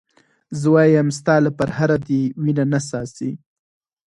زه وایم ستا له پرهره دې وینه نه څاڅي.